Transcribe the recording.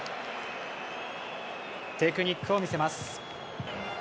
テクニックを見せます。